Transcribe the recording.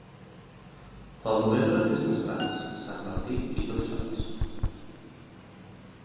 Pel novembre, festes grans: Sant Martí i Tots Sants.